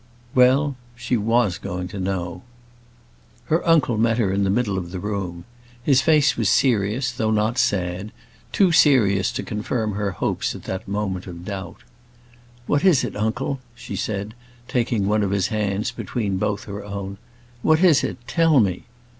Well; she was going to know. Her uncle met her in the middle of the room. His face was serious, though not sad; too serious to confirm her hopes at that moment of doubt. "What is it, uncle?" she said, taking one of his hands between both of her own. "What is it? Tell me."